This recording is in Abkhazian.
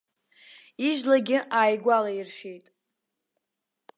Ижәлагьы ааигәалаиршәеит.